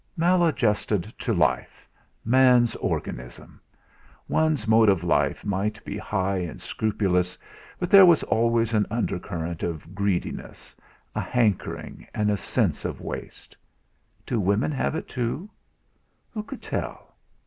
Maladjusted to life man's organism! One's mode of life might be high and scrupulous, but there was always an undercurrent of greediness, a hankering, and sense of waste. Did women have it too? Who could tell?